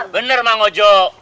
benar bang ojo